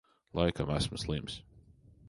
Laikam esmu slims.